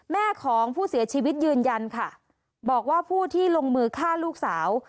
แม่ของผู้เสียชีวิตยืนยันค่ะบอกว่าผู้ที่ลงมือฆ่าลูกสาว